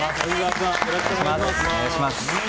よろしくお願いします。